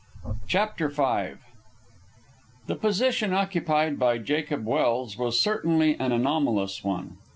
CHAPTER V The position occupied by Jacob Welse was certainly an anomalous one.